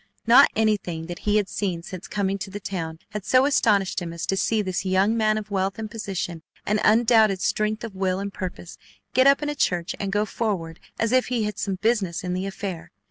Not anything that he had seen since coming to the town had so astonished him as to see this young man of wealth and position and undoubted strength of will and purpose, get up in a church and go forward as if he had some business in the affair.